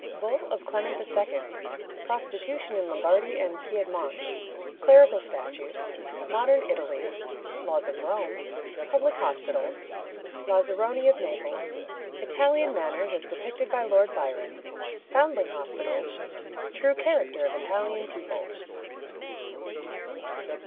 Bull of Clement II. Prostitution in Lombardy and Piedmont. Clerical Statute. Modern Italy. Laws of Rome. Public Hospitals. Lazaroni of Naples. Italian Manners as depicted by Lord Byron. Foundling Hospitals. True Character of Italian People.